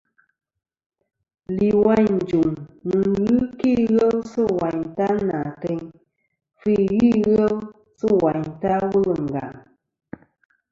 Lìwàyn ɨ jùŋ nɨ̀n ghɨ kɨ ighel sɨ̂ wàyn ta nà àteyn, fî ghɨ ighel sɨ̂ wayn ta wul ɨ ngàŋ.